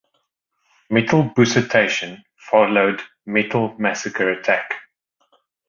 "Metal Bucetation" followed "Metal Massacre Attack".